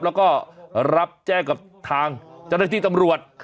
เราก็รับแจ้งกับทางจอดอาทิตย์ตำรวจ